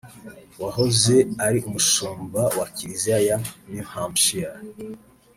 wahoze ari umushumba wa kiliziya ya New Hampshire